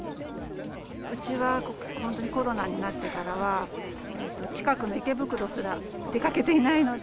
うちは本当にコロナになってからは、近くの池袋すら出かけていないので。